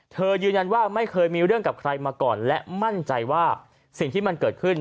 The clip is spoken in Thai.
ยืนยันว่าไม่เคยมีเรื่องกับใครมาก่อนและมั่นใจว่าสิ่งที่มันเกิดขึ้น